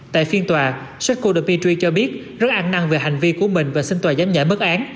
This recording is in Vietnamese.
tại phiên tòa seko dimitri cho biết rất ăn năng về hành vi của mình và xin tòa giám nhã mất án